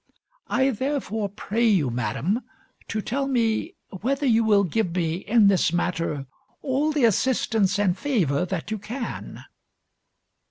I therefore pray you, madam, to tell me whether you will give me in this matter all the assistance and favour that you can."